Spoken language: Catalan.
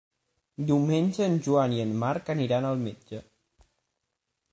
Diumenge en Joan i en Marc aniran al metge.